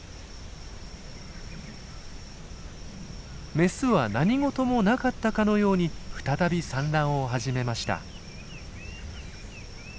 メスは何事もなかったかのように再び産卵を始めました。